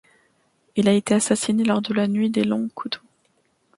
Il a été assassiné lors de la nuit des Longs Couteaux.